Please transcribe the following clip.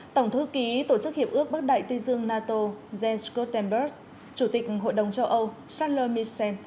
tổng thư ký tổ chức hiệp ước bắc đại tây dương nato jens scottenberg chủ tịch hội đồng châu âu charles michel